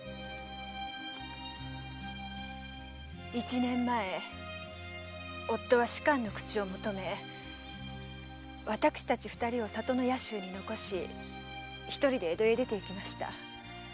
一年前夫は仕官の口を求め私たち二人を故郷の野州に残し一人で江戸へ出ていきました。